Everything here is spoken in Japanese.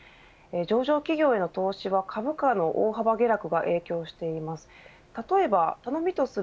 上場企業への投資は、株価の大幅下落が影響しています。